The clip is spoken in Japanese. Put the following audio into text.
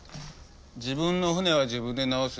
自分の船は自分で直す。